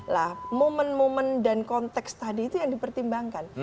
nah momen momen dan konteks tadi itu yang dipertimbangkan